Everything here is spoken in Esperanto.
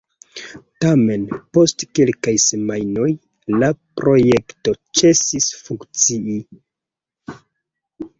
Tamen, post kelkaj semajnoj, la projekto ĉesis funkcii.